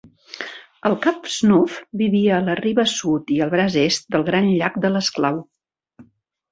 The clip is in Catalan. El cap Snuff vivia a la riba sud i al braç est del Gran Llac de l'Esclau.